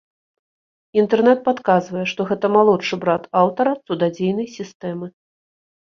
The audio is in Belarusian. Інтэрнэт падказвае, што гэта малодшы брат аўтара цудадзейнай сістэмы.